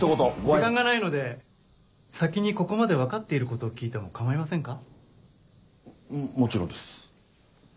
時間がないので先にここまで分かっていることを聞いても構いませんか？ももちろんです。